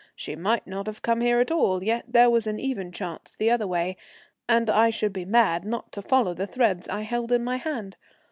She might not have come here at all, yet there was an even chance the other way, and I should be mad not to follow the threads I held in my hand.